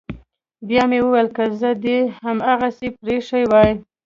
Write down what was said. بيا مې وويل که زه دې هماغسې پريښى واى.